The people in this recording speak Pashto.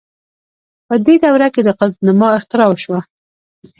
په دې دوره کې د قطب نماء اختراع وشوه.